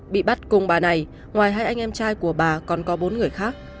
bị bắt cùng bà này ngoài hai anh em trai của bà còn có bốn người khác